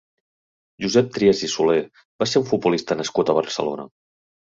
Josep Trias i Solé va ser un futbolista nascut a Barcelona.